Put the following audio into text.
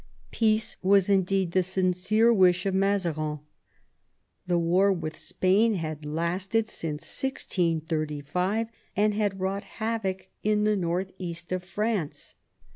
Peace was indeed the sincere wish of Mazarin. The war with Spain had lasted since 1635, and had wrought havoc in the north east of France.